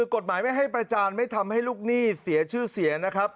กฎหมายไม่ให้ประจานไม่ทำให้ลูกหนี้เสียชื่อเสียนะครับ